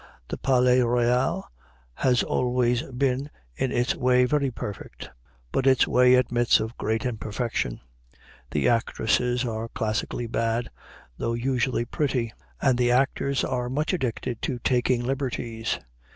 The Palais Royal has always been in its way very perfect; but its way admits of great imperfection. The actresses are classically bad, though usually pretty, and the actors are much addicted to taking liberties.